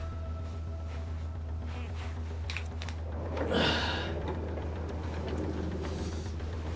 ああ。